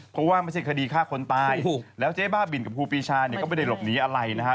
เพราะว่าไม่ใช่คดีฆ่าคนตายแล้วเจ๊บ้าบินกับครูปีชาเนี่ยก็ไม่ได้หลบหนีอะไรนะฮะ